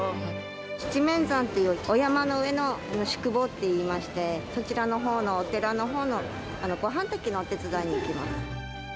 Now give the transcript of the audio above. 七面山っていうお山の上の宿坊っていいまして、そちらのほうのお寺のほうのごはん炊きのお手伝いに行きます。